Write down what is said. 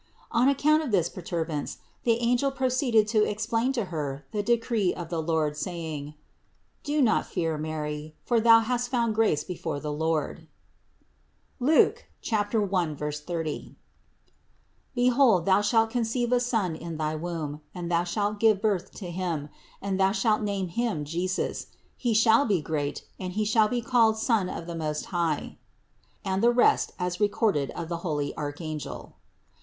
On account of this perturbance the angel pro ceeded to explain to Her the decree of the Lord, saying : "Do not fear, Mary, for thou hast found grace before the Lord (Luke 1, 30) ; behold thou shalt conceive a Son in thy womb, and thou shalt give birth to Him, and thou shalt name Him Jesus; He shall be great, and He shall be called Son of the Most High," and the rest as recorded of the holy archangel.